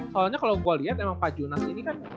soalnya kalau gue lihat emang pak junas ini kan